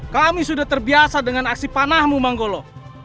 kami sudah terbiasa dengan aksi panahmu manggolo